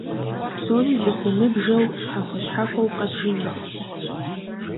Псори зэхыумыбжэу, щхьэхуэ-щхьэхуэу къэбжи нэхъыфӏщ.